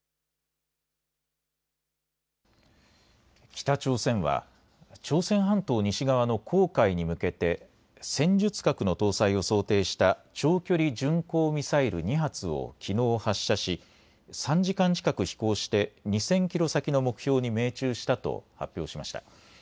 北朝鮮は朝鮮半島西側の黄海に向けて戦術核の搭載を想定した長距離巡航ミサイル２発をきのう発射し３時間近く飛行して２０００キロ先の目標に命中したと発表しました。